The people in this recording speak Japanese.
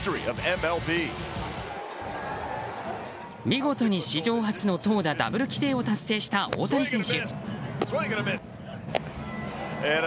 見事に史上初の投打ダブル規定を達成した大谷選手。